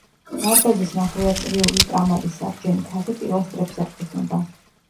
დარბაზის ნახევარწრიული კამარის საბჯენი თაღი პილასტრებს ეყრდნობა.